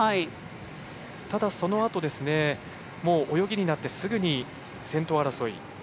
ただそのあと泳ぎになってすぐに先頭争い。